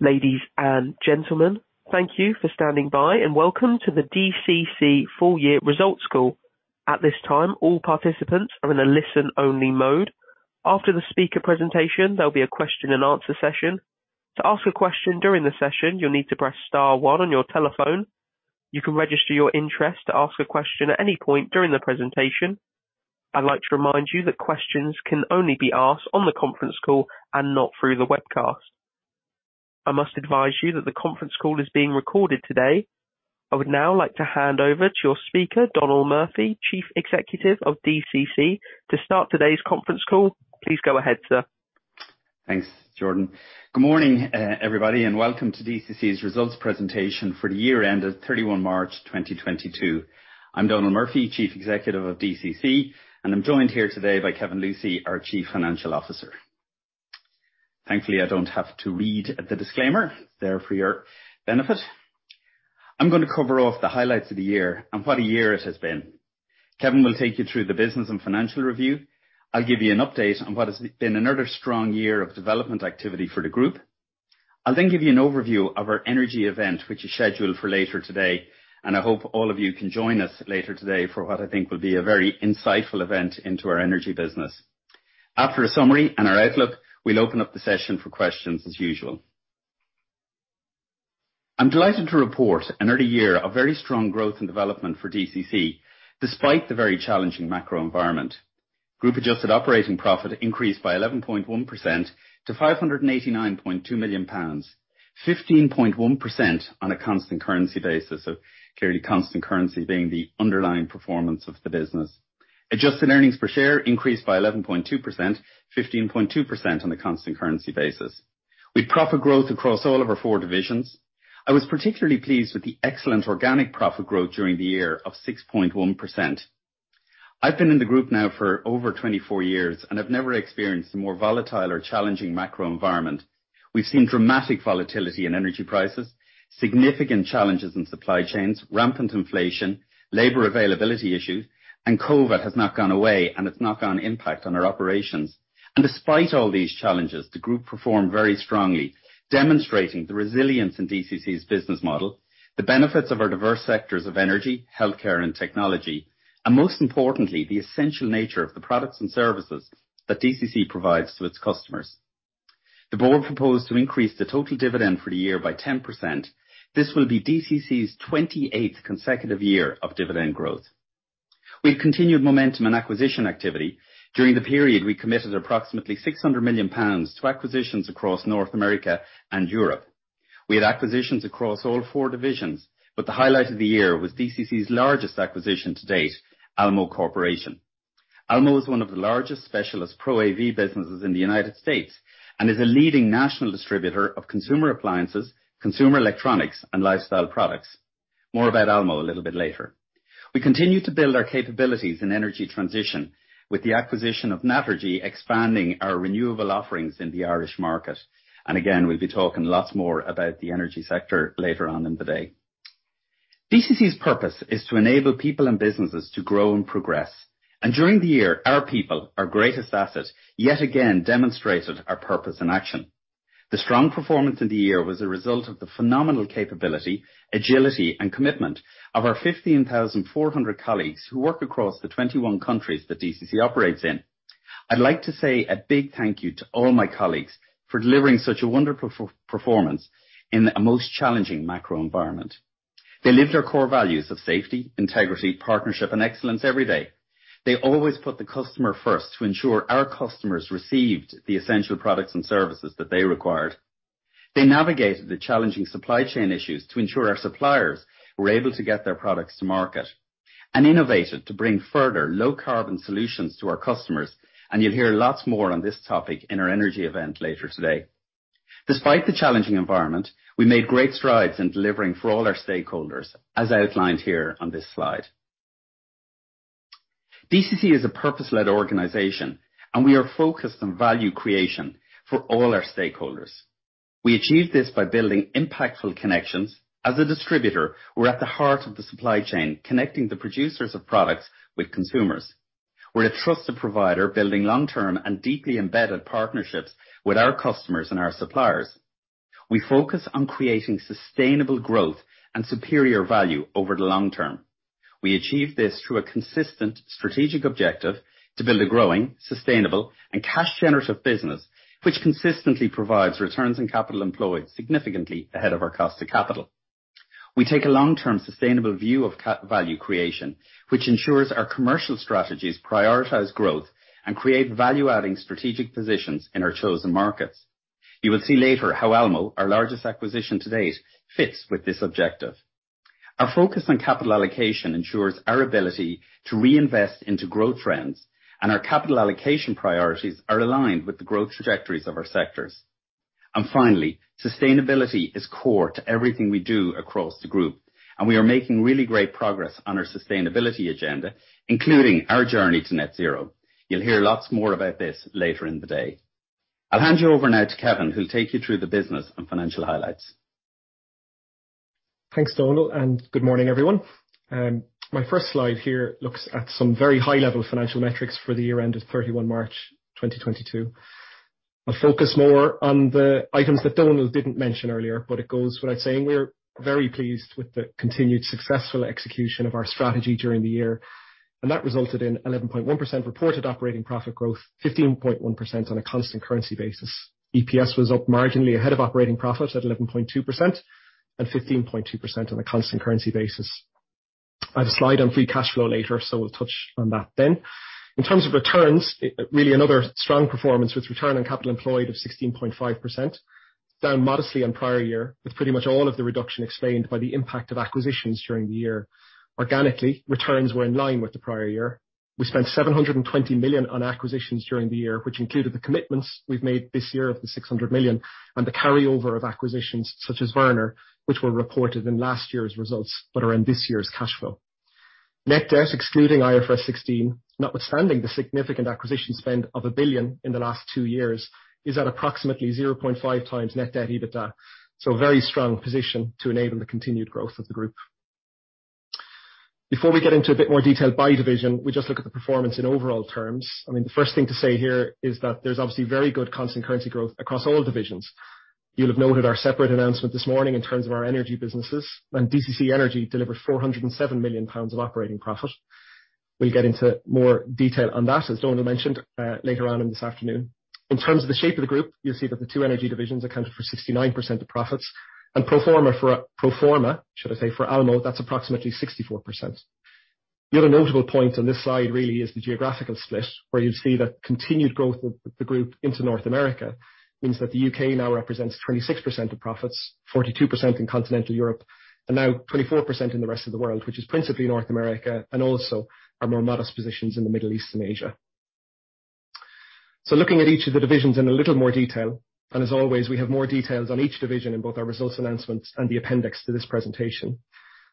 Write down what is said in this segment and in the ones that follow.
Ladies and gentlemen, thank you for standing by, and welcome to the DCC full year results call. At this time, all participants are in a listen-only mode. After the speaker presentation, there'll be a question-and-answer session. To ask a question during the session, you'll need to press star one on your telephone. You can register your interest to ask a question at any point during the presentation. I'd like to remind you that questions can only be asked on the conference call and not through the webcast. I must advise you that the conference call is being recorded today. I would now like to hand over to your speaker, Donal Murphy, Chief Executive of DCC to start today's conference call. Please go ahead, sir. Thanks, Jordan. Good morning, everybody, and welcome to DCC's results presentation for the year end of March 31, 2022. I'm Donal Murphy, Chief Executive of DCC, and I'm joined here today by Kevin Lucey, our Chief Financial Officer. Thankfully, I don't have to read the disclaimer. They're for your benefit. I'm gonna cover off the highlights of the year and what a year it has been. Kevin will take you through the business and financial review. I'll give you an update on what has been another strong year of development activity for the group. I'll then give you an overview of our energy event, which is scheduled for later today, and I hope all of you can join us later today for what I think will be a very insightful event into our energy business. After a summary and our outlook, we'll open up the session for questions as usual. I'm delighted to report another year of very strong growth and development for DCC despite the very challenging macro environment. Group adjusted operating profit increased by 11.1% to 589.2 million pounds. 15.1% on a constant currency basis, clearly constant currency being the underlying performance of the business. Adjusted earnings per share increased by 11.2%, 15.2% on the constant currency basis. With profit growth across all of our four divisions, I was particularly pleased with the excellent organic profit growth during the year of 6.1%. I've been in the group now for over 24 years, and I've never experienced a more volatile or challenging macro environment. We've seen dramatic volatility in energy prices, significant challenges in supply chains, rampant inflation, labor availability issues, and COVID has not gone away, and it continues to impact our operations. Despite all these challenges, the group performed very strongly, demonstrating the resilience in DCC's business model, the benefits of our diverse sectors of energy, healthcare, and technology, and most importantly, the essential nature of the products and services that DCC provides to its customers. The board proposed to increase the total dividend for the year by 10%. This will be DCC's 28th consecutive year of dividend growth. We've continued momentum and acquisition activity. During the period, we committed approximately 600 million pounds to acquisitions across North America and Europe. We had acquisitions across all four divisions, but the highlight of the year was DCC's largest acquisition to date, Almo Corporation. Almo is one of the largest specialist pro AV businesses in the U.S. and is a leading national distributor of consumer appliances, consumer electronics, and lifestyle products. More about Almo a little bit later. We continue to build our capabilities in energy transition with the acquisition of Naturgy expanding our renewable offerings in the Irish market. Again, we'll be talking lots more about the energy sector later on in the day. DCC's purpose is to enable people and businesses to grow and progress. During the year, our people, our greatest asset, yet again demonstrated our purpose in action. The strong performance in the year was a result of the phenomenal capability, agility, and commitment of our 15,400 colleagues who work across the 21 countries that DCC operates in. I'd like to say a big thank you to all my colleagues for delivering such a wonderful year's performance in a most challenging macro environment. They live their core values of safety, integrity, partnership, and excellence every day. They always put the customer first to ensure our customers received the essential products and services that they required. They navigated the challenging supply chain issues to ensure our suppliers were able to get their products to market and innovated to bring further low carbon solutions to our customers. You'll hear lots more on this topic in our energy event later today. Despite the challenging environment, we made great strides in delivering for all our stakeholders, as outlined here on this slide. DCC is a purpose-led organization, and we are focused on value creation for all our stakeholders. We achieve this by building impactful connections. As a distributor, we're at the heart of the supply chain, connecting the producers of products with consumers. We're a trusted provider building long-term and deeply embedded partnerships with our customers and our suppliers. We focus on creating sustainable growth and superior value over the long term. We achieve this through a consistent strategic objective to build a growing, sustainable, and cash generative business, which consistently provides returns on capital employed significantly ahead of our cost to capital. We take a long-term sustainable view of value creation, which ensures our commercial strategies prioritize growth and create value-adding strategic positions in our chosen markets. You will see later how Almo, our largest acquisition to date, fits with this objective. Our focus on capital allocation ensures our ability to reinvest into growth trends, and our capital allocation priorities are aligned with the growth trajectories of our sectors. Finally, sustainability is core to everything we do across the group, and we are making really great progress on our sustainability agenda, including our journey to net zero. You'll hear lots more about this later in the day. I'll hand you over now to Kevin, who'll take you through the business and financial highlights. Thanks, Donal, and good morning, everyone. My first slide here looks at some very high-level financial metrics for the year end of March 31, 2022. I'll focus more on the items that Donal didn't mention earlier, but it goes without saying we're very pleased with the continued successful execution of our strategy during the year. That resulted in 11.1% reported operating profit growth, 15.1% on a constant currency basis. EPS was up marginally ahead of operating profit at 11.2% and 15.2% on a constant currency basis. I have a slide on free cash flow later, so we'll touch on that then. In terms of returns, really another strong performance with return on capital employed of 16.5%. Down modestly on prior year, with pretty much all of the reduction explained by the impact of acquisitions during the year. Organically, returns were in line with the prior year. We spent 720 million on acquisitions during the year, which included the commitments we've made this year of the 600 million and the carryover of acquisitions such as Wörner, which were reported in last year's results but are in this year's cash flow. Net debt excluding IFRS 16, notwithstanding the significant acquisition spend of a 1 billion in the last two years, is at approximately 0.5x net debt EBITDA. A very strong position to enable the continued growth of the group. Before we get into a bit more detail by division, we just look at the performance in overall terms. I mean, the first thing to say here is that there's obviously very good constant currency growth across all divisions. You'll have noted our separate announcement this morning in terms of our energy businesses, and DCC Energy delivered 407 million pounds of operating profit. We'll get into more detail on that, as Donal mentioned, later on this afternoon. In terms of the shape of the group, you'll see that the two energy divisions accounted for 69% of profits. Pro forma, should I say, for Almo, that's approximately 64%. The other notable point on this slide really is the geographical split, where you'll see the continued growth of the group into North America, means that the U.K. now represents 26% of profits, 42% in continental Europe, and now 24% in the rest of the world, which is principally North America and also our more modest positions in the Middle East and Asia. Looking at each of the divisions in a little more detail, and as always, we have more details on each division in both our results announcements and the appendix to this presentation.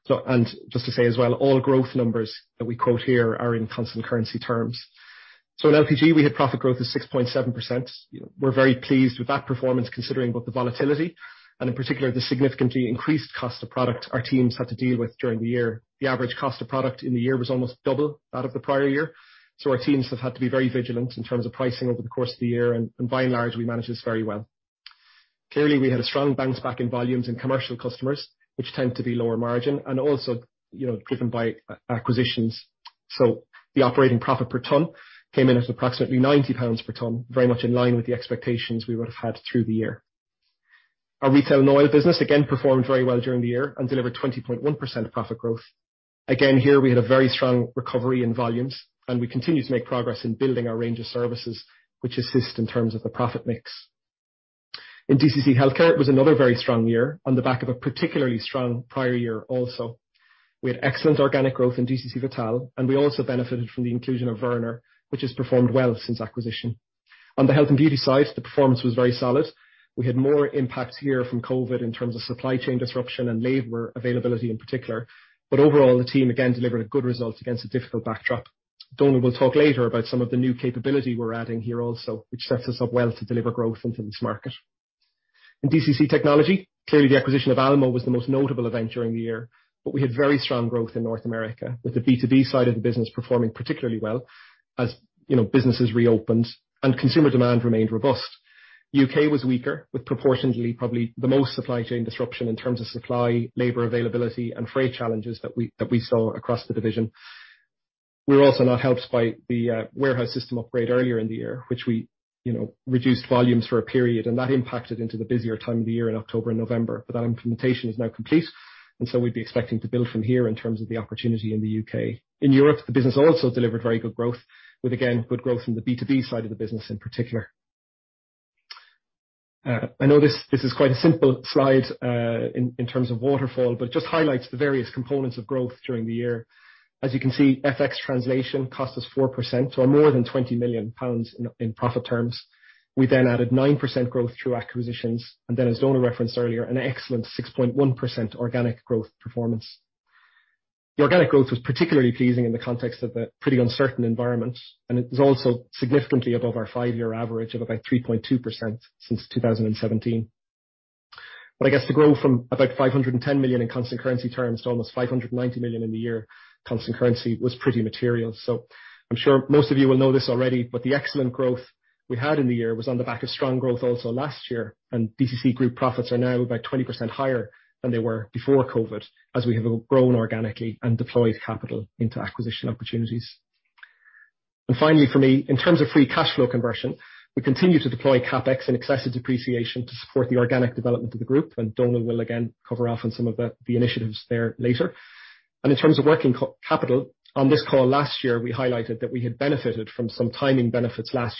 Just to say as well, all growth numbers that we quote here are in constant currency terms. In LPG, we had profit growth of 6.7%. We're very pleased with that performance, considering both the volatility and in particular, the significantly increased cost of product our teams had to deal with during the year. The average cost of product in the year was almost double that of the prior year. Our teams have had to be very vigilant in terms of pricing over the course of the year, and by and large, we managed this very well. Clearly, we had a strong bounce back in volumes in commercial customers, which tend to be lower margin and also, you know, driven by acquisitions. The operating profit per ton came in at approximately 90 pounds per ton, very much in line with the expectations we would have had through the year. Our retail and oil business, again, performed very well during the year and delivered 20.1% profit growth. Again, here, we had a very strong recovery in volumes, and we continue to make progress in building our range of services which assist in terms of the profit mix. In DCC Healthcare, it was another very strong year on the back of a particularly strong prior year also. We had excellent organic growth in DCC Vital, and we also benefited from the inclusion of Wörner, which has performed well since acquisition. On the health and beauty side, the performance was very solid. We had more impact here from COVID in terms of supply chain disruption and labor availability in particular. Overall, the team again delivered a good result against a difficult backdrop. Donal will talk later about some of the new capability we're adding here also, which sets us up well to deliver growth into this market. In DCC Technology, clearly, the acquisition of Almo was the most notable event during the year, but we had very strong growth in North America, with the B2B side of the business performing particularly well. As you know, businesses reopened and consumer demand remained robust. U.K. was weaker, with proportionately probably the most supply chain disruption in terms of supply, labor availability, and freight challenges that we saw across the division. We're also not helped by the warehouse system upgrade earlier in the year, which we, you know, reduced volumes for a period, and that impacted into the busier time of the year in October and November. That implementation is now complete, and so we'd be expecting to build from here in terms of the opportunity in the U.K. In Europe, the business also delivered very good growth, with again, good growth in the B2B side of the business in particular. I know this is quite a simple slide in terms of waterfall but just highlights the various components of growth during the year. As you can see, FX translation cost us 4%, so more than 20 million pounds in profit terms. We then added 9% growth through acquisitions, and then as Donal referenced earlier, an excellent 6.1% organic growth performance. The organic growth was particularly pleasing in the context of a pretty uncertain environment, and it was also significantly above our five-year average of about 3.2% since 2017. I guess to grow from about 510 million in constant currency terms to almost 590 million in the year, constant currency was pretty material. I'm sure most of you will know this already, but the excellent growth we had in the year was on the back of strong growth also last year, and DCC Group profits are now about 20% higher than they were before COVID, as we have grown organically and deployed capital into acquisition opportunities. Finally, for me, in terms of free cash flow conversion, we continue to deploy CapEx and excessive depreciation to support the organic development of the group. Donal will again cover off on some of the initiatives there later. In terms of working capital, on this call last year, we highlighted that we had benefited from some timing benefits last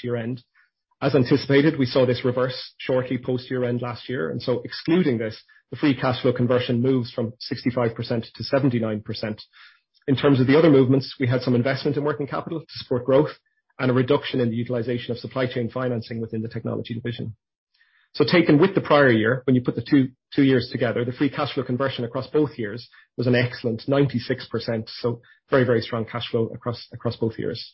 year-end. As anticipated, we saw this reverse shortly post year-end last year. Excluding this, the free cash flow conversion moves from 65%-79%. In terms of the other movements, we had some investment in working capital to support growth and a reduction in the utilization of supply chain financing within the technology division. Taken with the prior year, when you put the two years together, the free cash flow conversion across both years was an excellent 96%. Very, very strong cash flow across both years.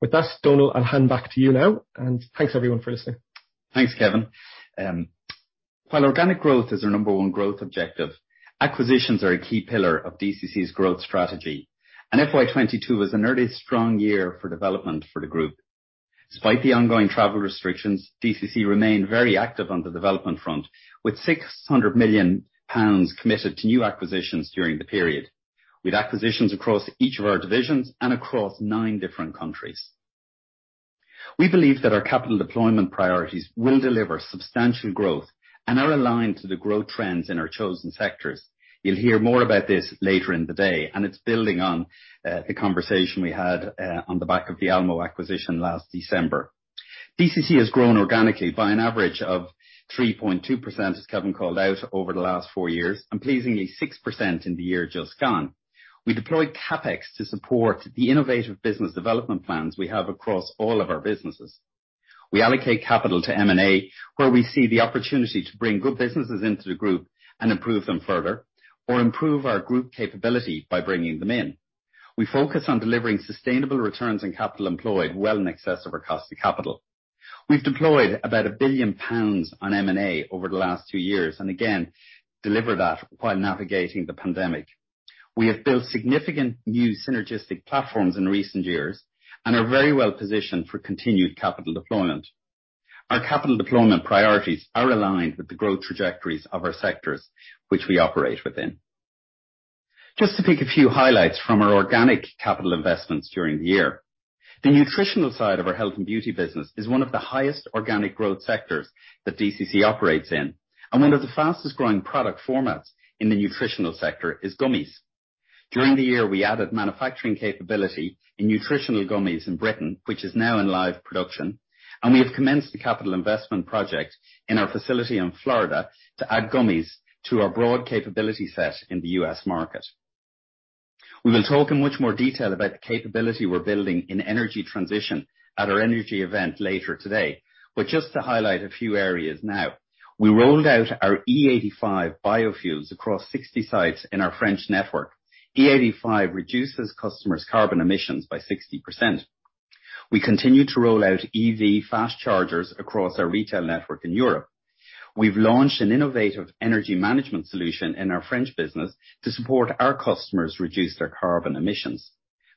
With that, Donal, I'll hand back to you now, and thanks everyone for listening. Thanks, Kevin. While organic growth is our number one growth objective, acquisitions are a key pillar of DCC's growth strategy, and FY 2022 was another strong year for development for the group. Despite the ongoing travel restrictions, DCC remained very active on the development front, with 600 million pounds committed to new acquisitions during the period. With acquisitions across each of our divisions and across nine different countries. We believe that our capital deployment priorities will deliver substantial growth and are aligned to the growth trends in our chosen sectors. You'll hear more about this later in the day, and it's building on the conversation we had on the back of the Almo acquisition last December. DCC has grown organically by an average of 3.2%, as Kevin called out, over the last four years, and pleasingly 6% in the year just gone. We deployed CapEx to support the innovative business development plans we have across all of our businesses. We allocate capital to M&A, where we see the opportunity to bring good businesses into the group and improve them further, or improve our group capability by bringing them in. We focus on delivering sustainable returns on capital employed well in excess of our cost of capital. We've deployed about 1 billion pounds on M&A over the last two years, and again, deliver that while navigating the pandemic. We have built significant new synergistic platforms in recent years and are very well positioned for continued capital deployment. Our capital deployment priorities are aligned with the growth trajectories of our sectors which we operate within. Just to pick a few highlights from our organic capital investments during the year. The nutritional side of our health and beauty business is one of the highest organic growth sectors that DCC operates in, and one of the fastest-growing product formats in the nutritional sector is gummies. During the year, we added manufacturing capability in nutritional gummies in Britain, which is now in live production, and we have commenced the capital investment project in our facility in Florida to add gummies to our broad capability set in the U.S. market. We will talk in much more detail about the capability we're building in energy transition at our energy event later today, but just to highlight a few areas now. We rolled out our E85 biofuels across 60 sites in our French network. E85 reduces customers' carbon emissions by 60%. We continue to roll out EV fast chargers across our retail network in Europe. We've launched an innovative energy management solution in our French business to support our customers reduce their carbon emissions.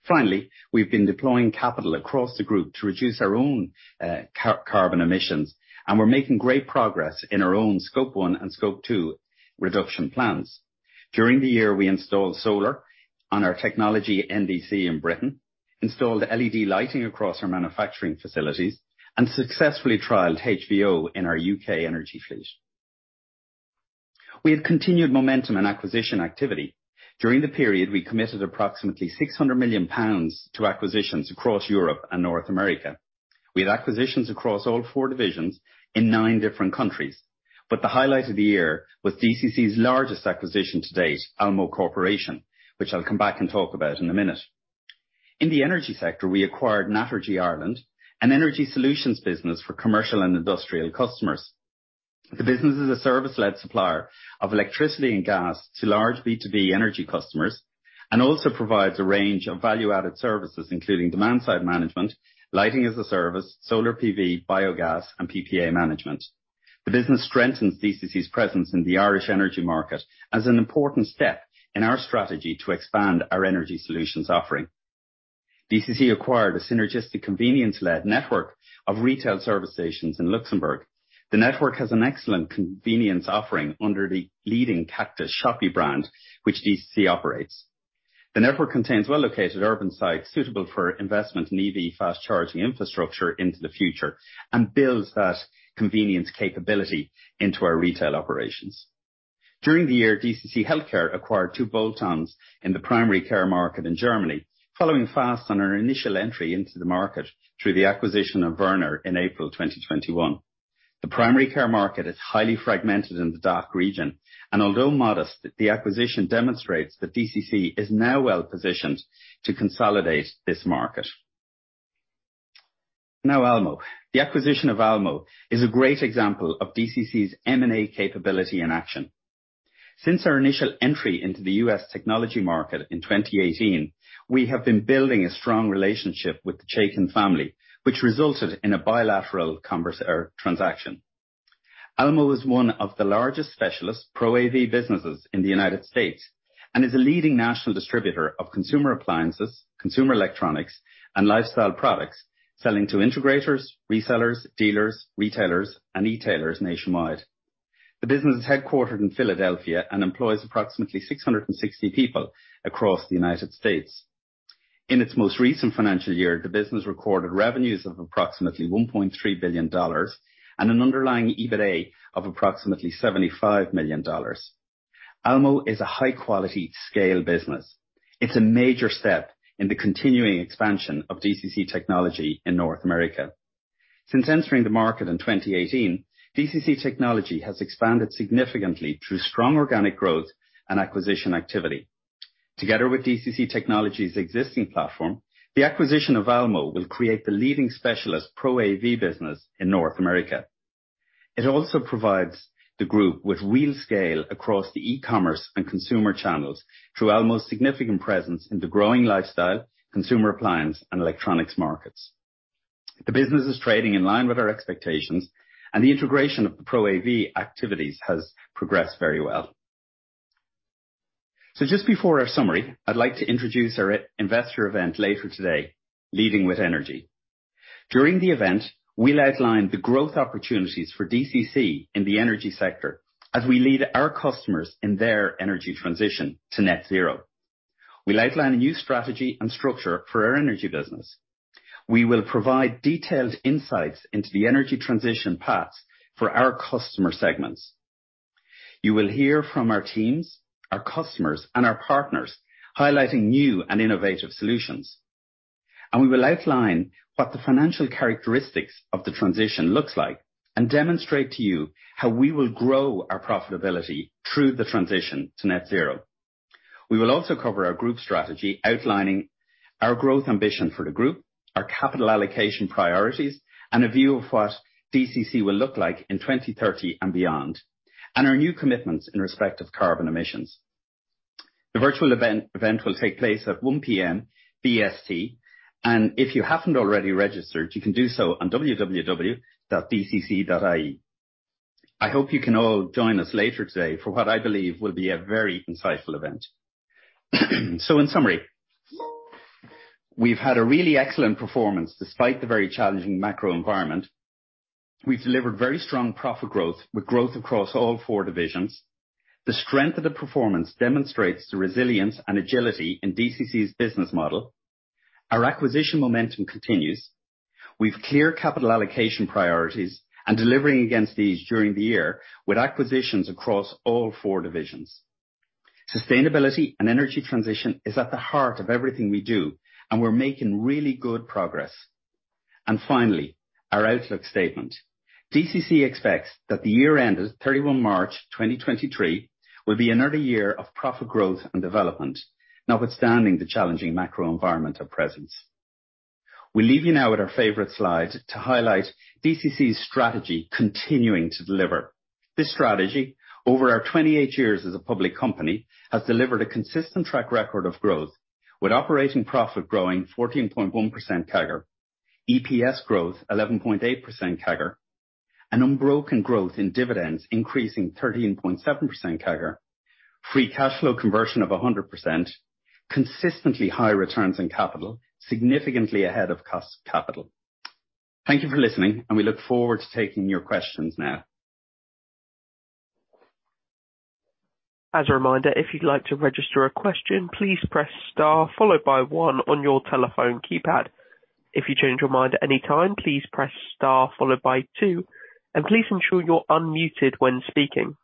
Finally, we've been deploying capital across the group to reduce our own carbon emissions, and we're making great progress in our own Scope 1 and Scope 2 reduction plans. During the year, we installed solar on our technology NDC in Britain, installed LED lighting across our manufacturing facilities, and successfully trialed HVO in our U.K. energy fleet. We have continued momentum and acquisition activity. During the period, we committed approximately 600 million pounds to acquisitions across Europe and North America. We had acquisitions across all four divisions in nine different countries. The highlight of the year was DCC's largest acquisition to date, Almo Corporation, which I'll come back and talk about in a minute. In the energy sector, we acquired Naturgy Ireland, an energy solutions business for commercial and industrial customers. The business is a service-led supplier of electricity and gas to large B2B energy customers and also provides a range of value-added services, including demand-side management, lighting as a service, solar PV, biogas, and PPA management. The business strengthens DCC's presence in the Irish energy market as an important step in our strategy to expand our energy solutions offering. DCC acquired a synergistic convenience-led network of retail service stations in Luxembourg. The network has an excellent convenience offering under the leading Cactus Shoppi brand, which DCC operates. The network contains well-located urban sites suitable for investment in EV fast charging infrastructure into the future and builds that convenience capability into our retail operations. During the year, DCC Healthcare acquired two bolt-ons in the primary care market in Germany, following fast on our initial entry into the market through the acquisition of Wörner in April 2021. The primary care market is highly fragmented in the DACH region, and although modest, the acquisition demonstrates that DCC is now well-positioned to consolidate this market. Now, Almo. The acquisition of Almo is a great example of DCC's M&A capability in action. Since our initial entry into the U.S. technology market in 2018, we have been building a strong relationship with the Chaiken family, which resulted in a bilateral transaction. Almo is one of the largest specialist pro AV businesses in the U.S. and is a leading national distributor of consumer appliances, consumer electronics, and lifestyle products, selling to integrators, resellers, dealers, retailers, and e-tailers nationwide. The business is headquartered in Philadelphia and employs approximately 660 people across the U.S. In its most recent financial year, the business recorded revenues of approximately $1.3 billion and an underlying EBITA of approximately $75 million. Almo is a high-quality scale business. It's a major step in the continuing expansion of DCC Technology in North America. Since entering the market in 2018, DCC Technology has expanded significantly through strong organic growth and acquisition activity. Together with DCC Technology's existing platform, the acquisition of Almo will create the leading specialist Pro AV business in North America. It also provides the group with real scale across the e-commerce and consumer channels through our most significant presence in the growing lifestyle, consumer appliance and electronics markets. The business is trading in line with our expectations, and the integration of the Pro AV activities has progressed very well. Just before our summary, I'd like to introduce our investor event later today, Leading with Energy. During the event, we'll outline the growth opportunities for DCC in the energy sector as we lead our customers in their energy transition to net zero. We'll outline a new strategy and structure for our energy business. We will provide detailed insights into the energy transition paths for our customer segments. You will hear from our teams, our customers and our partners highlighting new and innovative solutions. We will outline what the financial characteristics of the transition looks like and demonstrate to you how we will grow our profitability through the transition to net zero. We will also cover our group strategy, outlining our growth ambition for the group, our capital allocation priorities, and a view of what DCC will look like in 2030 and beyond, and our new commitments in respect of carbon emissions. The virtual event will take place at 1:00 P.M. BST, and if you haven't already registered, you can do so on www.dcc.ie. I hope you can all join us later today for what I believe will be a very insightful event. In summary, we've had a really excellent performance despite the very challenging macro environment. We've delivered very strong profit growth with growth across all four divisions. The strength of the performance demonstrates the resilience and agility in DCC's business model. Our acquisition momentum continues. We've clear capital allocation priorities and delivering against these during the year with acquisitions across all four divisions. Sustainability and energy transition is at the heart of everything we do, and we're making really good progress. Finally, our outlook statement. DCC expects that the year end of March 31, 2023 will be another year of profit growth and development, notwithstanding the challenging macro environment at present. We leave you now with our favorite slide to highlight DCC's strategy continuing to deliver. This strategy, over our 28 years as a public company, has delivered a consistent track record of growth with operating profit growing 14.1% CAGR, EPS growth 11.8% CAGR, an unbroken growth in dividends increasing 13.7% CAGR, free cash flow conversion of 100%, consistently high returns on capital, significantly ahead of cost of capital. Thank you for listening, and we look forward to taking your questions now. As a reminder, if you'd like to register a question, please press star followed by one on your telephone keypad. If you change your mind at any time, please press star followed by two, and please ensure you're unmuted when speaking.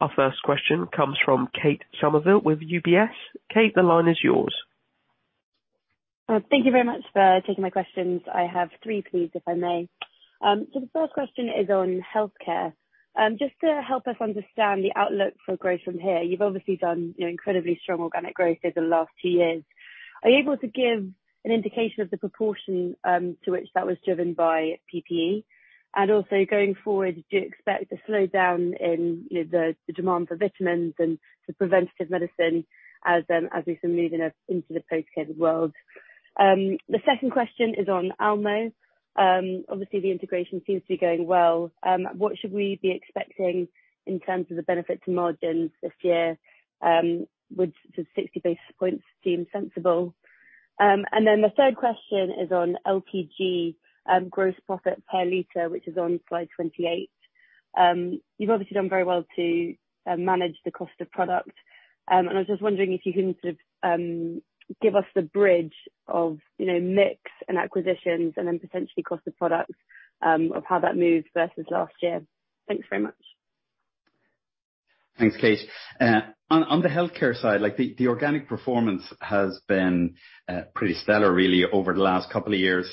Our first question comes from Kate Somerville with UBS. Kate, the line is yours. Thank you very much for taking my questions. I have three, please, if I may. The first question is on healthcare. Just to help us understand the outlook for growth from here, you've obviously done incredibly strong organic growth over the last two years. Are you able to give an indication of the proportion to which that was driven by PPE? And also going forward, do you expect to slow down in, you know, the demand for vitamins and the preventative medicine as we're sort of moving up into the post-COVID world? The second question is on Almo. Obviously the integration seems to be going well. What should we be expecting in terms of the benefit to margins this year? Would the 60 basis points seem sensible? The third question is on LPG, gross profit per liter, which is on slide 28. You've obviously done very well to manage the cost of product. I was just wondering if you can sort of give us the bridge of, you know, mix and acquisitions and then potentially cost of product, of how that moves versus last year. Thanks very much. Thanks, Kate. On the healthcare side, the organic performance has been pretty stellar really over the last couple of years.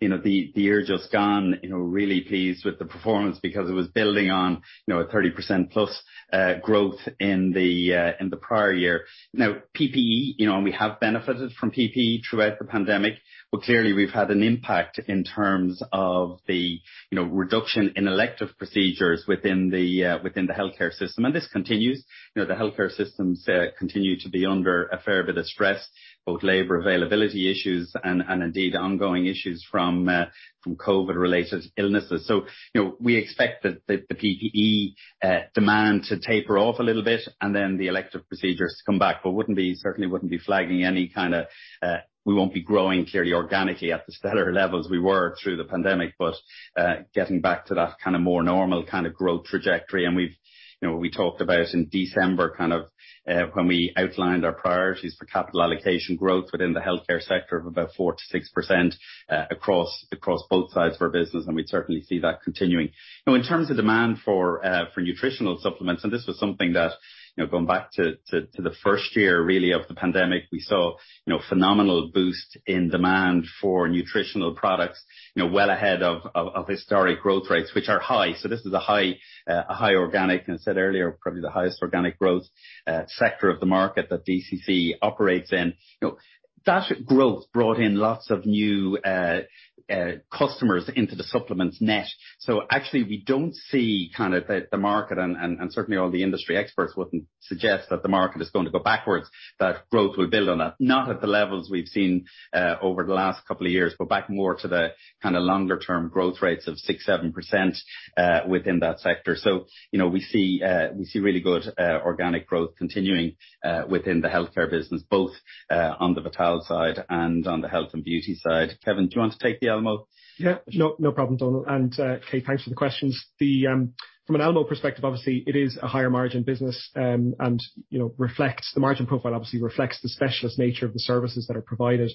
You know, the year just gone, you know, really pleased with the performance because it was building on, you know, a 30% plus growth in the prior year. Now, PPE, you know, and we have benefited from PPE throughout the pandemic, but clearly we've had an impact in terms of the reduction in elective procedures within the healthcare system. This continues. You know, the healthcare systems continue to be under a fair bit of stress, both labor availability issues and indeed ongoing issues from COVID-related illnesses. You know, we expect the PPE demand to taper off a little bit and then the elective procedures to come back. Wouldn't be, certainly wouldn't be flagging any kinda, we won't be growing clearly organically at the stellar levels we were through the pandemic, but getting back to that kind of more normal kind of growth trajectory. We've, you know, we talked about in December kind of, when we outlined our priorities for capital allocation growth within the healthcare sector of about 4%-6%, across both sides of our business, and we certainly see that continuing. Now in terms of demand for nutritional supplements, and this was something that, you know, going back to the first year really of the pandemic, we saw, you know, phenomenal boost in demand for nutritional products, you know, well ahead of historic growth rates, which are high. So, this is a high organic, and I said earlier, probably the highest organic growth sector of the market that DCC operates in. You know, that growth brought in lots of new customers into the supplements net. So actually, we don't see kind of the market and certainly all the industry experts wouldn't suggest that the market is going to go backwards. That growth will build on that, not at the levels we've seen over the last couple of years, but back more to the kind of longer term growth rates of 6%-7% within that sector. You know, we see really good organic growth continuing within the healthcare business, both on the Vital side and on the health and beauty side. Kevin, do you want to take the Almo? Yeah. No problem, Donal. Kate, thanks for the questions. From an Almo perspective, obviously it is a higher margin business, and you know, reflects the margin profile, obviously reflects the specialist nature of the services that are provided.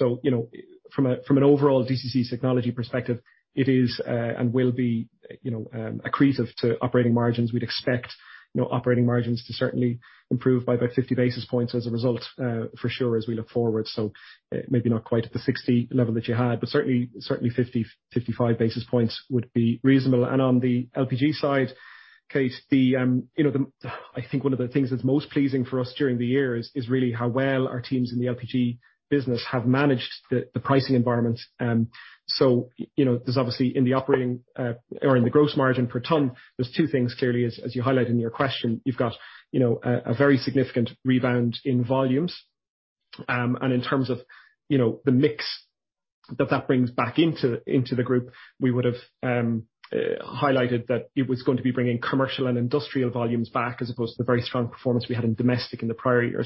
You know, from an overall DCC Technology perspective, it is and will be you know, accretive to operating margins. We'd expect you know, operating margins to certainly improve by about 50 basis points as a result, for sure as we look forward. Maybe not quite at the 60 level that you had, but certainly 50-55 basis points would be reasonable. On the LPG side, Kate, you know, I think one of the things that's most pleasing for us during the year is really how well our teams in the LPG business have managed the pricing environment. So, you know, there's obviously in the operating, or in the gross margin per ton, there's two things clearly as you highlight in your question. You've got, you know, a very significant rebound in volumes. And in terms of, you know, the mix that that brings back into the group, we would have highlighted that it was going to be bringing commercial and industrial volumes back as opposed to the very strong performance we had in domestic in the prior year.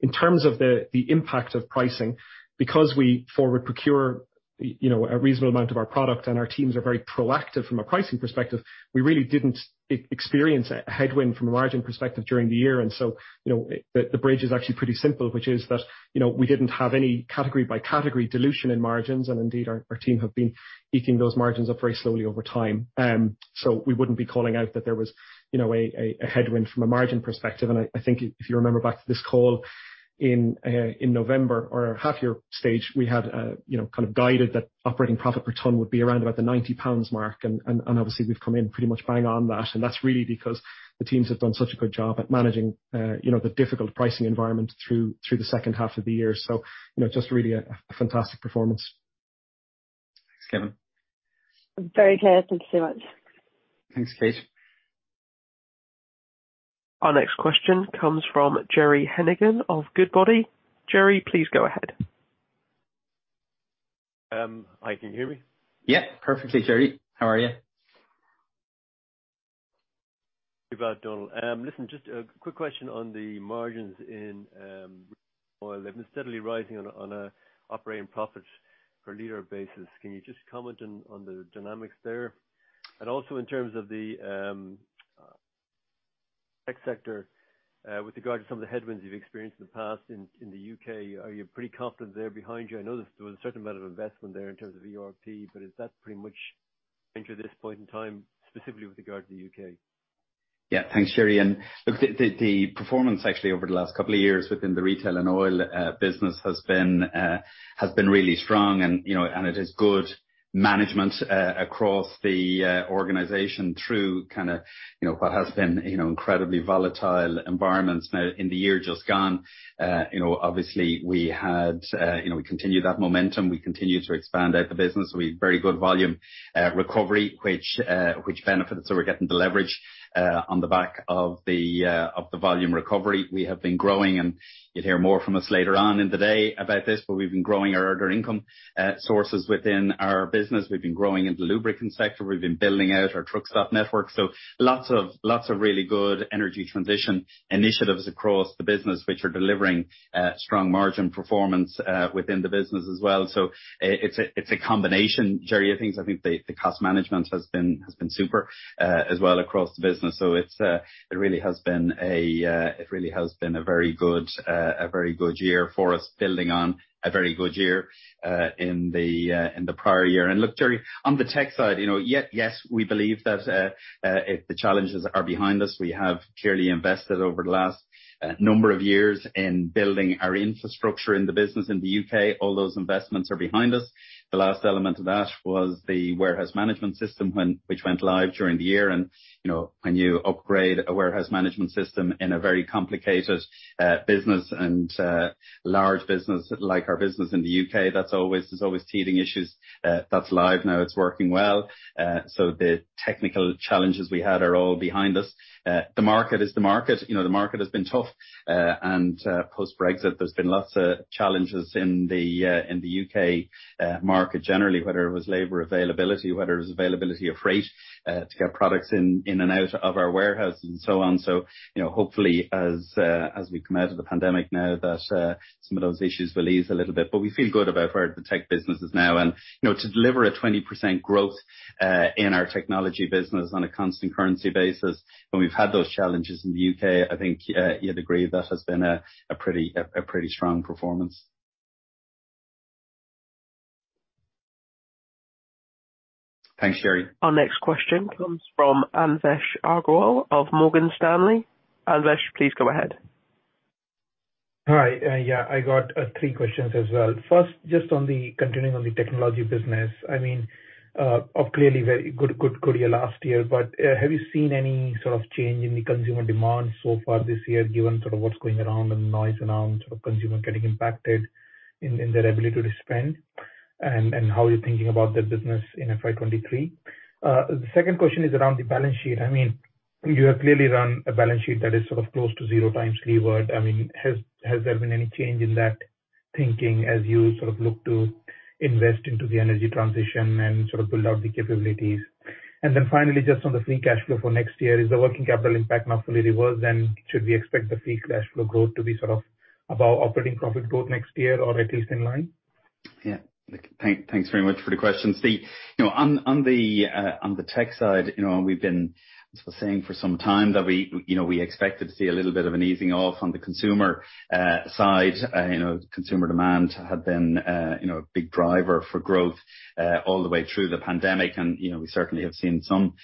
In terms of the impact of pricing, because we forward procure, you know, a reasonable amount of our product and our teams are very proactive from a pricing perspective, we really didn't experience a headwind from a margin perspective during the year. You know, the bridge is actually pretty simple, which is that, you know, we didn't have any category by category dilution in margins, and indeed our team have been eking those margins up very slowly over time. We wouldn't be calling out that there was, you know, a headwind from a margin perspective. I think if you remember back to this call in November or half-year stage, we had, you know, kind of guided that operating profit per ton would be around about the 90 pounds mark. Obviously, we've come in pretty much bang on that, and that's really because the teams have done such a good job at managing, you know, the difficult pricing environment through the second half of the year. You know, just really a fantastic performance. Thanks, Kevin. Very clear. Thank you so much. Thanks, Kate. Our next question comes from Gerry Hennigan of Goodbody. Jerry, please go ahead. Hi, can you hear me? Yeah, perfectly, Gerry. How are you? About Donal. Listen, just a quick question on the margins in oil. They've been steadily rising on a operating profit per liter basis. Can you just comment on the dynamics there? Also, in terms of the tech sector, with regard to some of the headwinds you've experienced in the past in the U.K., are you pretty confident they're behind you? I know there's been a certain amount of investment there in terms of ERP, but is that pretty much into this point in time, specifically with regard to the U.K.? Yeah. Thanks, Jerry. Look, the performance actually over the last couple of years within the retail and oil business has been really strong and, you know, it is good management across the organization through kind of, you know, what has been, you know, incredibly volatile environments. Now, in the year just gone, you know, obviously we had, you know, we continued that momentum. We continued to expand out the business. We have very good volume recovery, which benefits we're getting the leverage on the back of the volume recovery. We have been growing, and you'll hear more from us later on in the day about this, but we've been growing our other income sources within our business. We've been growing in the lubricants sector. We've been building out our truck stop network. Lots of really good energy transition initiatives across the business which are delivering strong margin performance within the business as well. It's a combination, Gerry, of things. I think the cost management has been super as well across the business. It really has been a very good year for us, building on a very good year in the prior year. Look, Gerry, on the tech side, you know, yes, we believe that the challenges are behind us. We have clearly invested over the last number of years in building our infrastructure in the business in the U.K. All those investments are behind us. The last element of that was the warehouse management system which went live during the year. You know, when you upgrade a warehouse management system in a very complicated business and large business like our business in the U.K., that's always, there's always teething issues. That's live now. It's working well. The technical challenges we had are all behind us. The market is the market. You know, the market has been tough. Post-Brexit, there's been lots of challenges in the U.K. market generally, whether it was labor availability, whether it was availability of freight to get products in and out of our warehouses and so on. You know, hopefully as we come out of the pandemic now that some of those issues will ease a little bit. We feel good about where the tech business is now. You know, to deliver 20% growth in our technology business on a constant currency basis when we've had those challenges in the U.K., I think you'd agree that has been a pretty strong performance. Thanks, Gerry. Our next question comes from Anvesh Agrawal of Morgan Stanley. Anvesh, please go ahead. Hi. Yeah, I got three questions as well. First, just continuing on the technology business. I mean, it's clearly a very good year last year, but have you seen any sort of change in the consumer demand so far this year, given sort of what's going around and noise around sort of consumer getting impacted in their ability to spend, and how you're thinking about the business in FY 2023? The second question is around the balance sheet. I mean, you have clearly run a balance sheet that is sort of close to zero times levered. Has there been any change in that thinking as you sort of look to invest into the energy transition and sort of build out the capabilities? Then finally, just on the free cash flow for next year, is the working capital impact now fully reversed? Should we expect the free cash flow growth to be sort of above operating profit growth next year or at least in line? Yeah. Thanks very much for the questions. You know, on the tech side, you know, we've been saying for some time that we expected to see a little bit of an easing off on the consumer side. You know, consumer demand had been you know a big driver for growth all the way through the pandemic, and you know we certainly have seen some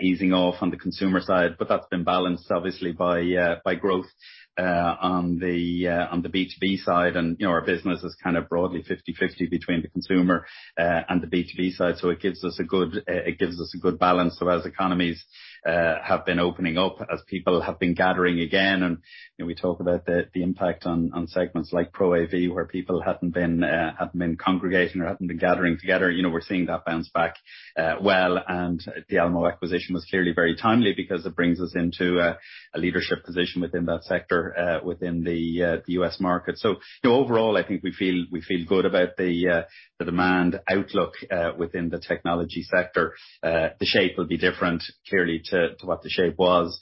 easing off on the consumer side, but that's been balanced, obviously, by growth on the B2B side. You know, our business is kind of broadly 50/50 between the consumer and the B2B side, so it gives us a good balance as economies have been opening up, as people have been gathering again. You know, we talk about the impact on segments like Pro AV, where people hadn't been congregating or hadn't been gathering together. You know, we're seeing that bounce back, well, and the Almo acquisition was clearly very timely because it brings us into a leadership position within that sector, within the U.S. market. You know, overall, I think we feel good about the demand outlook within the technology sector. The shape will be different clearly to what the shape was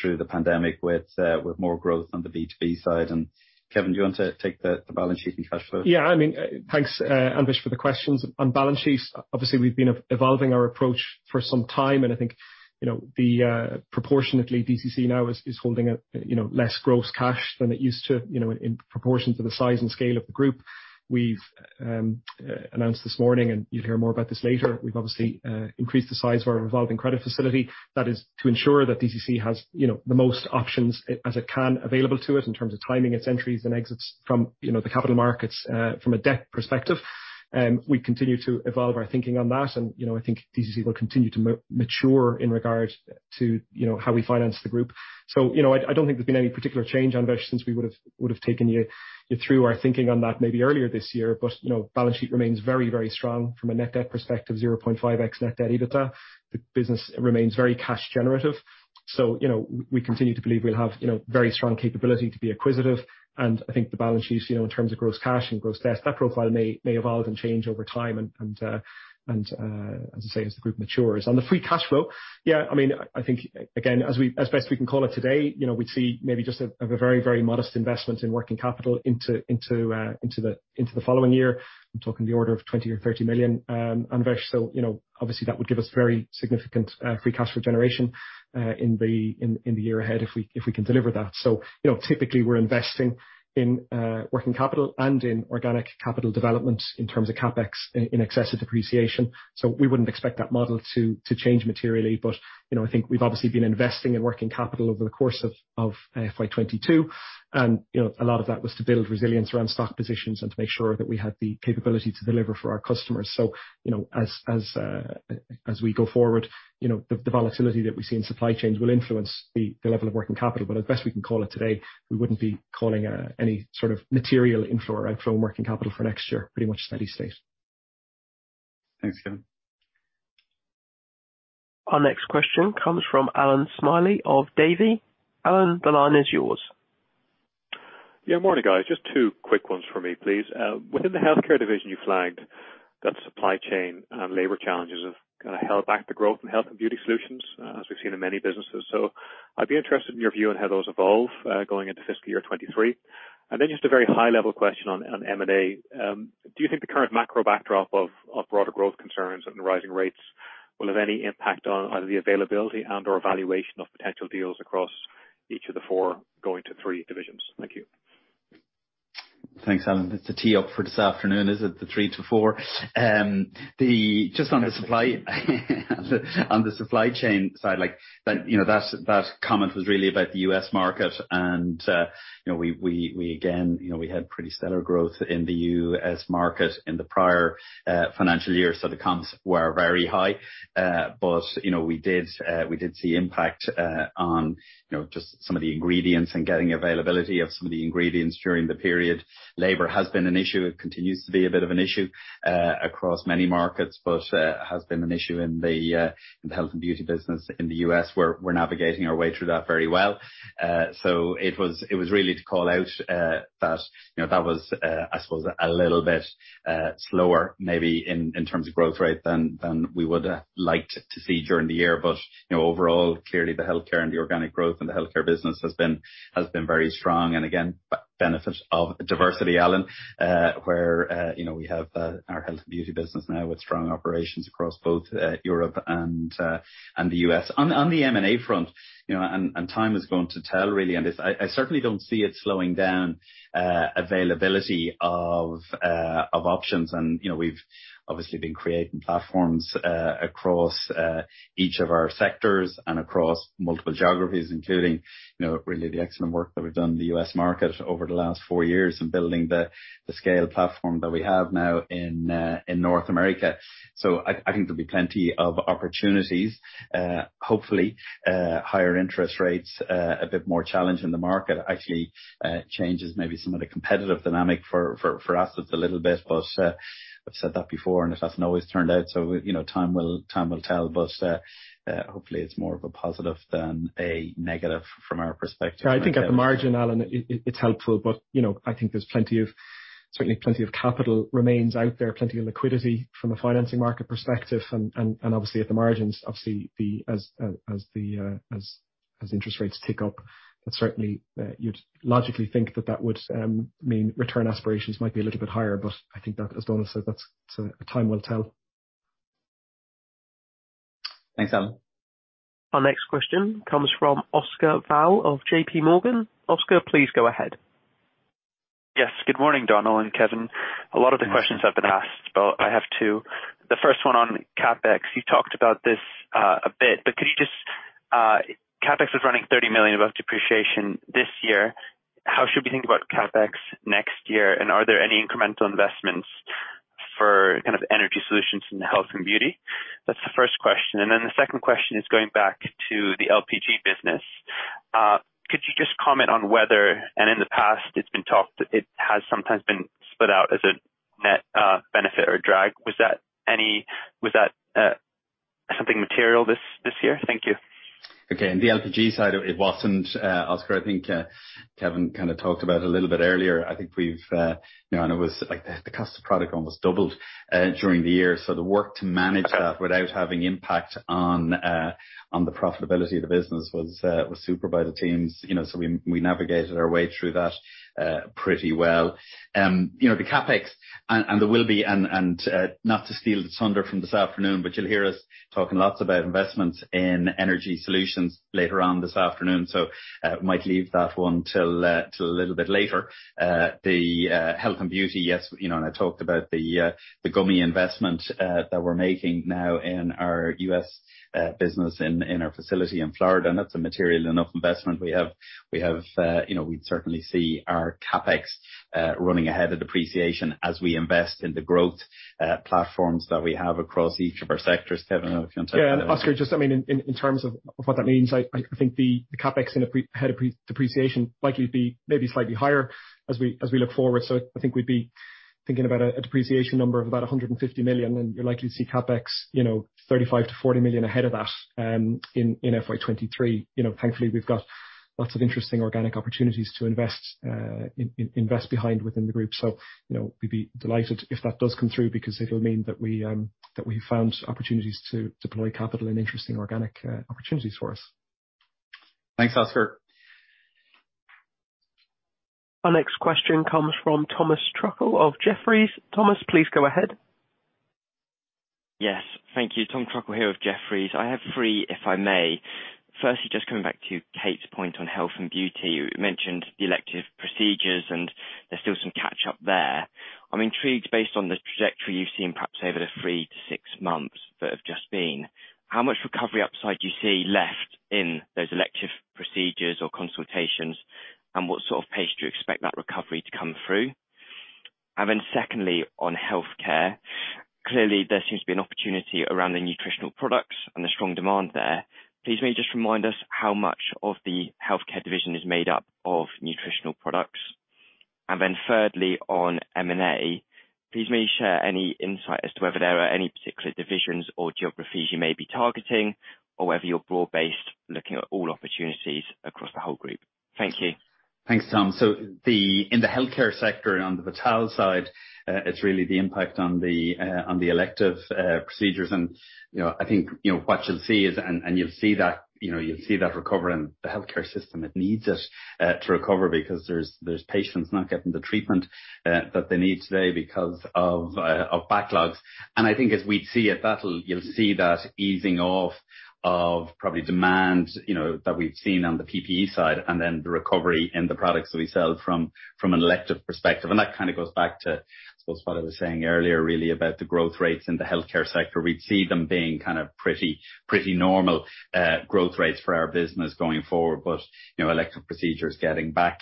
through the pandemic with more growth on the B2B side. Kevin, do you want to take the balance sheet and cash flow? Yeah, I mean, thanks, Anvesh, for the questions. On balance sheets, obviously, we've been evolving our approach for some time, and I think, you know, the proportionately DCC now is holding it less gross cash than it used to, you know, in proportion to the size and scale of the group. We've announced this morning, and you'll hear more about this later, we've obviously increased the size of our revolving credit facility. That is to ensure that DCC has, you know, the most options as it can available to it in terms of timing its entries and exits from, you know, the capital markets from a debt perspective. We continue to evolve our thinking on that and, you know, I think DCC will continue to mature in regard to, you know, how we finance the group. I don't think there's been any particular change, Anvesh, since we would've taken you through our thinking on that maybe earlier this year, but you know, balance sheet remains very strong from a net debt perspective, 0.5x net debt EBITDA. The business remains very cash generative. You know, we continue to believe we'll have very strong capability to be acquisitive. I think the balance sheet, you know, in terms of gross cash and gross debt, that profile may evolve and change over time and as I say, as the group matures. On the free cash flow. Yeah, I mean, I think again, as best we can call it today, you know, we'd see maybe just a very, very modest investment in working capital into the following year. I'm talking the order of 20 million or 30 million, Anvesh. So, you know, obviously, that would give us very significant free cash flow generation in the year ahead if we can deliver that. So, you know, typically, we're investing in working capital and in organic capital development in terms of CapEx in excess of depreciation. So, we wouldn't expect that model to change materially. But, you know, I think we've obviously been investing in working capital over the course of FY 2022. You know, a lot of that was to build resilience around stock positions and to make sure that we had the capability to deliver for our customers. You know, as we go forward, you know, the volatility that we see in supply chains will influence the level of working capital, but as best we can call it today, we wouldn't be calling any sort of material inflow or outflow in working capital for next year. Pretty much steady state. Thanks, Kevin. Our next question comes from Allan Smylie of Davy. Allan, the line is yours. Yeah, morning, guys. Just two quick ones for me, please. Within the healthcare division, you flagged that supply chain and labor challenges have kind of held back the growth in health and beauty solutions as we've seen in many businesses. I'd be interested in your view on how those evolve going into fiscal year 2023. Just a very high-level question on M&A. Do you think the current macro backdrop of broader growth concerns and rising rates will have any impact on either the availability and/or of potential deals across each of the four going to three divisions? Thank you. Thanks, Allan. It's the tee off for this afternoon, is it, the three to four? Just on the supply chain side, like, that, you know, that comment was really about the U.S. market and, you know, we again, you know, we had pretty stellar growth in the U.S. market in the prior financial year. The comps were very high. We did see impact on, you know, just some of the ingredients and getting availability of some of the ingredients during the period. Labor has been an issue. It continues to be a bit of an issue across many markets but has been an issue in the health and beauty business in the U.S., where we're navigating our way through that very well. It was really to call out that, you know, that was, I suppose, a little bit slower maybe in terms of growth rate than we would have liked to see during the year. You know, overall, clearly the healthcare and the organic growth in the healthcare business has been very strong. Again, benefit of diversity, Allan, where, you know, we have our health and beauty business now with strong operations across both Europe and the U.S. On the M&A front, you know, and time is going to tell really, and I certainly don't see it slowing down availability of options. You know, we've obviously been creating platforms across each of our sectors and across multiple geographies, including you know, really the excellent work that we've done in the U.S. market over the last four years in building the scale platform that we have now in North America. I think there'll be plenty of opportunities, hopefully higher interest rates, a bit more challenge in the market actually, changes maybe some of the competitive dynamic for us it's a little bit, but I've said that before and it hasn't always turned out. You know, time will tell, but hopefully it's more of a positive than a negative from our perspective. Yeah, I think at the margin, Allan, it's helpful, but, you know, I think there's plenty of capital remains out there, plenty of liquidity from a financing market perspective, and obviously at the margins, obviously the, as the, as interest rates tick up, but certainly, you'd logically think that would mean return aspirations might be a little bit higher, but I think that, as Donal said, that's time will tell. Thanks, Allan Smylie. Our next question comes from Oscar Val Mas of JPMorgan. Oscar, please go ahead. Yes. Good morning, Donal and Kevin. Good morning. A lot of the questions have been asked, but I have two. The first one on CapEx. You talked about this a bit, but could you just. CapEx is running 30 million above depreciation this year. How should we think about CapEx next year? And are there any incremental investments for kind of energy solutions in the health and beauty? That's the first question. And then the second question is going back to the LPG business. Could you just comment on whether, and in the past, it has sometimes been split out as a net benefit or drag. Was that something material this year? Thank you. Okay. In the LPG side, it wasn't, Oscar. I think Kevin kinda talked about a little bit earlier. I think we've, you know, it was like the cost of product almost doubled during the year. The work to manage that without having impact on the profitability of the business was superb by the teams, you know. We navigated our way through that pretty well. You know, the CapEx and there will be, not to steal the thunder from this afternoon, but you'll hear us talking lots about investments in energy solutions later on this afternoon. Might leave that one till a little bit later. The health and beauty, yes, you know, and I talked about the gummies investment that we're making now in our U.S. business in our facility in Florida, and that's a material enough investment we have. You know, we'd certainly see our CapEx running ahead of depreciation as we invest in the growth platforms that we have across each of our sectors. Kevin, if you wanna talk about that. Yeah. Oscar, I mean, in terms of what that means, I think the CapEx ahead of depreciation likely to be maybe slightly higher as we look forward. I think we'd be thinking about a depreciation number of about 150 million, and you're likely to see CapEx, you know, 35 million-40 million ahead of that, in FY 2023. You know, thankfully, we've got lots of interesting organic opportunities to invest behind within the group. You know, we'd be delighted if that does come through because it'll mean that we found opportunities to deploy capital in interesting organic opportunities for us. Thanks, Oscar. Our next question comes from Thomas Truckle of Jefferies. Thomas, please go ahead. Yes. Thank you. Tom Truckle here with Jefferies. I have three, if I may. Firstly, just coming back to Kate's point on health and beauty. You mentioned the elective procedures, and there's still some catch-up there. I'm intrigued, based on the trajectory you've seen perhaps over the three to six months that have just been, how much recovery upside do you see left in those elective procedures or consultations? And what sort of pace do you expect that recovery to come through? And then secondly, on healthcare, clearly there seems to be an opportunity around the nutritional products and the strong demand there. Please may you just remind us how much of the healthcare division is made up of nutritional products? Thirdly, on M&A, please may you share any insight as to whether there are any particular divisions or geographies you may be targeting or whether you're broad-based looking at all opportunities across the whole group. Thank you. Thanks, Tom. In the healthcare sector and on the Vital side, it's really the impact on the elective procedures. You know, I think what you'll see is you'll see that recover in the healthcare system. It needs it to recover because there's patients not getting the treatment that they need today because of backlogs. I think as we'd see it, you'll see that easing off of probably demand that we've seen on the PPE side and then the recovery in the products that we sell from an elective perspective. That kinda goes back to, I suppose, what I was saying earlier, really, about the growth rates in the healthcare sector. We'd see them being kind of pretty normal growth rates for our business going forward. You know, elective procedures getting back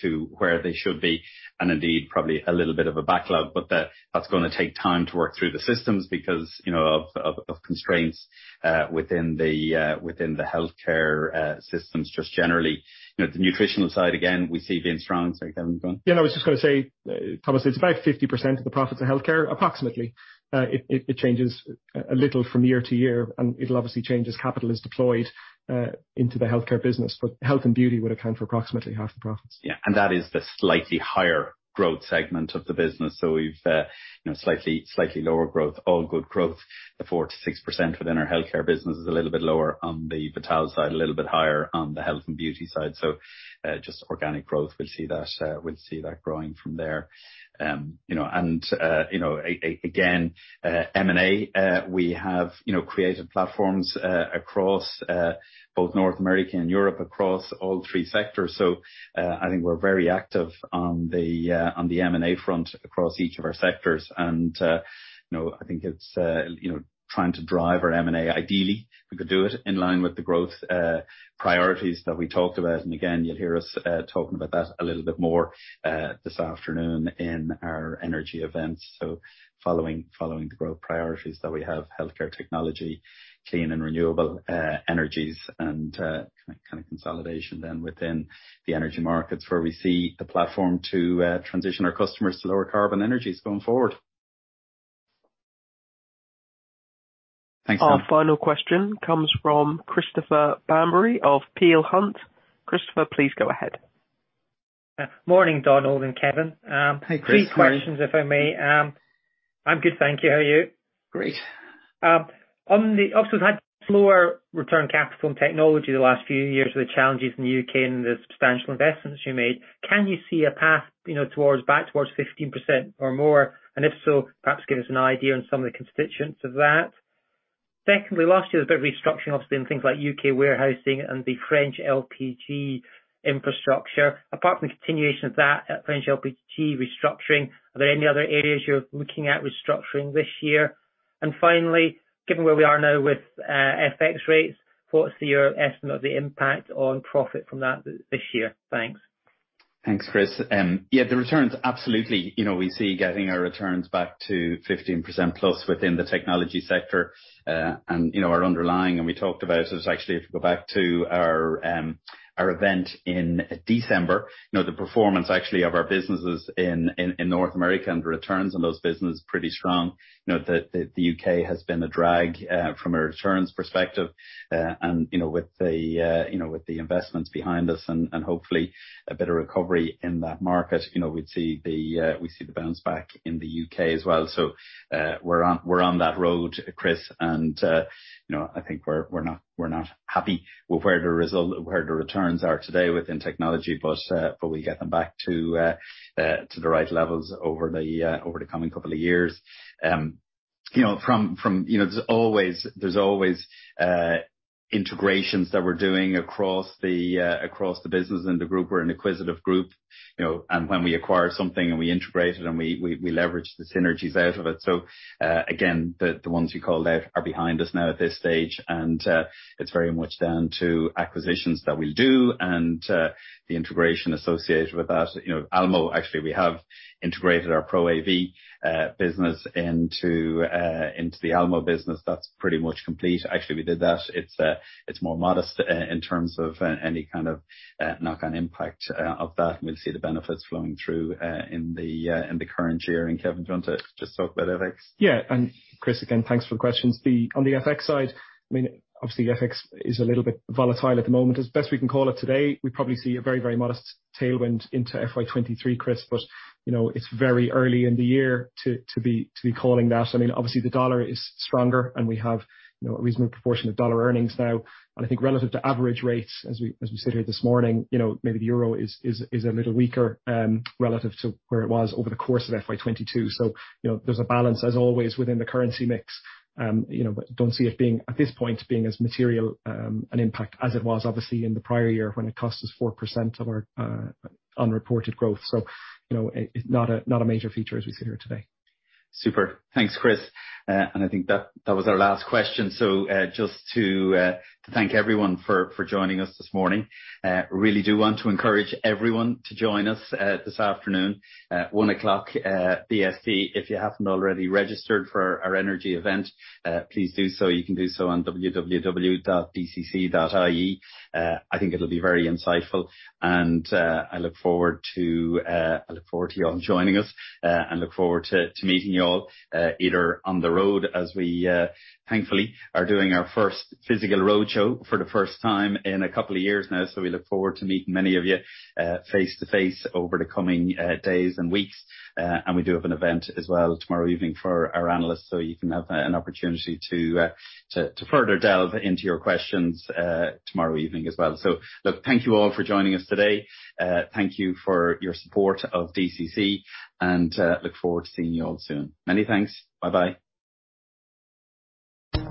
to where they should be and indeed probably a little bit of a backlog, but that's gonna take time to work through the systems because, you know, of constraints within the healthcare systems just generally. You know, the nutritional side again, we see being strong. Sorry, Kevin, go on. Yeah, I was just gonna say, Thomas, it's about 50% of the profits of Healthcare, approximately. It changes a little from year to year, and it'll obviously change as capital is deployed into the Healthcare business, but Health and Beauty would account for approximately half the profits. Yeah. That is the slightly higher growth segment of the business. We've, you know, slightly lower growth, all good growth. The 4%-6% within our healthcare business is a little bit lower on the Vital side, a little bit higher on the health and beauty side. Just organic growth, we'll see that growing from there. You know, you know, again, M&A, we have, you know, created platforms, across both North America and Europe, across all three sectors. I think we're very active on the on the M&A front across each of our sectors. You know, I think it's you know, trying to drive our M&A, ideally, we could do it in line with the growth priorities that we talked about. Again, you'll hear us talking about that a little bit more this afternoon in our energy events. Following the growth priorities that we have, healthcare technology, clean and renewable energies, and kind of consolidation then within the energy markets where we see the platform to transition our customers to lower carbon energies going forward. Thanks. Our final question comes from Christopher Bamberry of Peel Hunt. Christopher, please go ahead. Morning, Donal and Kevin. Hi, Chris. How are you? Three questions, if I may. I'm good, thank you. How are you? Great. Obviously, we've had slower return on capital in technology the last few years with the challenges in the U.K. and the substantial investments you made. Can you see a path, you know, back towards 15% or more? If so, perhaps give us an idea on some of the constituents of that. Secondly, last year there was a bit of restructuring obviously in things like U.K. warehousing and the French LPG infrastructure. Apart from the continuation of that, French LPG restructuring, are there any other areas you're looking at restructuring this year? Finally, given where we are now with FX rates, what's your estimate of the impact on profit from that this year? Thanks. Thanks, Chris. Yeah, the returns, absolutely. You know, we see getting our returns back to 15%+ within the technology sector. You know, our underlying, and we talked about it actually if you go back to our event in December. You know, the performance actually of our businesses in North America and the returns on those business is pretty strong. You know, the U.K. has been a drag from a returns perspective. You know, with the investments behind us and hopefully a better recovery in that market, you know, we see the bounce back in the U.K. as well. We're on that road, Chris. You know, I think we're not happy with where the returns are today within technology, but we get them back to the right levels over the coming couple of years. You know, there's always integrations that we're doing across the business and the group. We're an acquisitive group, you know. When we acquire something and we integrate it and we leverage the synergies out of it. Again, the ones you called out are behind us now at this stage. It's very much down to acquisitions that we'll do, and the integration associated with that. You know, Almo. Actually, we have integrated our Pro AV business into the Almo business. That's pretty much complete. Actually, we did that. It's more modest in terms of any kind of knock-on impact of that, and we'll see the benefits flowing through in the current year. Kevin, do you want to just talk about FX? Yeah. Chris, again, thanks for the questions. On the FX side, I mean, obviously FX is a little bit volatile at the moment. As best we can call it today, we probably see a very, very modest tailwind into FY 2023, Chris. You know, it's very early in the year to be calling that. I mean, obviously the U.S. dollar is stronger, and we have, you know, a reasonable proportion of U.S. dollar earnings now. I think relative to average rates as we sit here this morning, you know, maybe the euro is a little weaker relative to where it was over the course of FY 2022. You know, there's a balance as always within the currency mix. You know, don't see it being, at this point, as material an impact as it was obviously in the prior year when it cost us 4% of our unreported growth. You know, it's not a major feature as we sit here today. Super. Thanks, Chris. I think that was our last question. Just to thank everyone for joining us this morning. Really do want to encourage everyone to join us this afternoon, 1:00 P.M., BST. If you haven't already registered for our energy event, please do so. You can do so on www.dcc.ie. I think it'll be very insightful and I look forward to you all joining us. Look forward to meeting you all, either on the road as we thankfully are doing our first physical roadshow for the first time in a couple of years now. We look forward to meeting many of you face-to-face over the coming days and weeks. We do have an event as well tomorrow evening for our analysts, so you can have an opportunity to further delve into your questions tomorrow evening as well. Look, thank you all for joining us today. Thank you for your support of DCC and look forward to seeing you all soon. Many thanks. Bye-bye.